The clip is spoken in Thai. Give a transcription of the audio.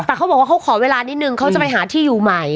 แต่เขาบอกว่าเขาขอเวลานิดนึงเขาจะไปหาที่อยู่ใหม่